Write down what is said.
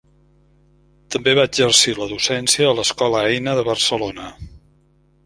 També va exercir la docència a l'Escola Eina de Barcelona.